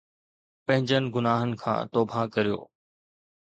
پنھنجن گناھن کان توبه ڪريو